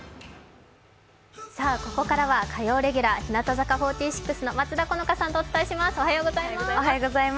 ここからは火曜レギュラー、日向坂４６の松田好花さんとお伝えします。